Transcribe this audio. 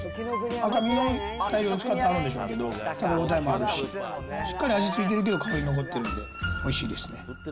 赤身がちゃんとあるんでしょうけど、かみ応えもあるし、しっかり味付いてるけど香り残ってるんでおい